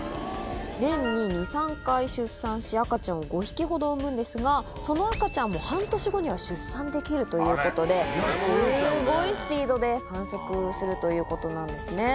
年に２、３回出産し、赤ちゃんを５匹ほど産むんですが、その赤ちゃんも半年後には出産できるということで、すごいスピードで繁殖するということなんですね。